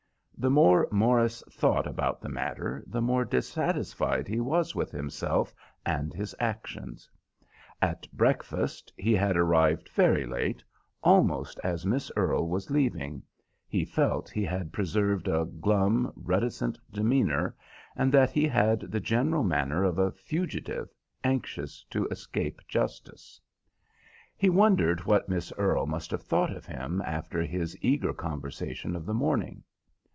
The more Morris thought about the matter the more dissatisfied he was with himself and his actions. At breakfast—he had arrived very late, almost as Miss Earle was leaving—he felt he had preserved a glum, reticent demeanour, and that he had the general manner of a fugitive anxious to escape justice. He wondered what Miss Earle must have thought of him after his eager conversation of the morning.